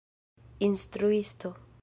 instruisto